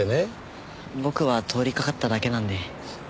僕は通りかかっただけなんで。